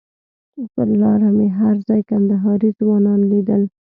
پر لاره مې هر ځای کندهاري ځوانان لیدل.